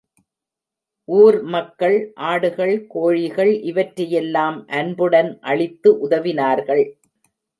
ஊர் மக்கள் ஆடுகள், கோழிகள் இவற்றையெல்லாம் அன்புடன் அளித்து உதவினார்கள்.